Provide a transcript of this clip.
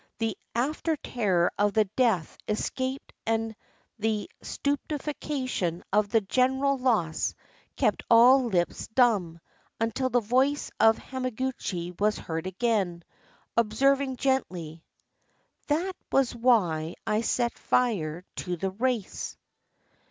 The after terror of the death escaped and the stupefaction of the general loss kept all lips dumb, until the voice of Hamaguchi was heard again, observing gently, —" That was why I set fire to the rice."